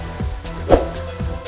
ayo kita jalan dulu